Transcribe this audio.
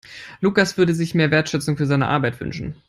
Lukas würde sich mehr Wertschätzung für seine Arbeit wünschen.